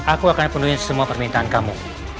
aku akan penuhi semua permintaan kamu